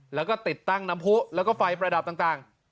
แล้วก็ติดตั้งน้ำผู้แล้วก็ไฟประดับต่าง